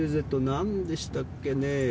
なんでしたっけね。